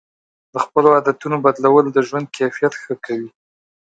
د خپلو عادتونو بدلول د ژوند کیفیت ښه کوي.